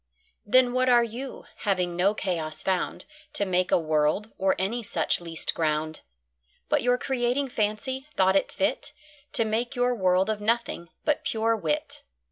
Then what are You, having no Chaos found To make a World, or any such least ground? But your Creating Fancy, thought it fit To make your World of Nothing, but pure Wit.